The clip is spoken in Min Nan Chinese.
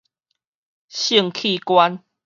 性器官